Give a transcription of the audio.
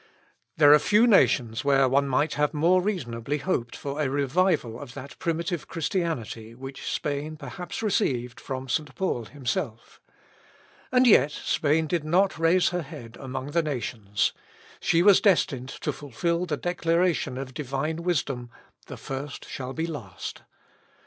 There are few nations where one might have more reasonably hoped for a revival of that primitive Christianity which Spain perhaps received from St. Paul himself. And yet Spain did not raise her head among the nations. She was destined to fulfil the declaration of Divine wisdom, "The first shall be last."